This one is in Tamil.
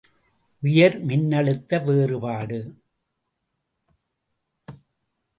உயர் மின்னழுத்த வேறுபாடு.